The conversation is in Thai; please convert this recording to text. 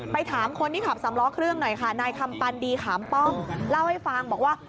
ถามคนที่ขับสำล้อเครื่องหน่อยค่ะนายคำปันดีขามป้อมเล่าให้ฟังบอกว่า